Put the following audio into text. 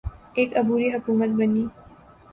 ایک عبوری حکومت بنی۔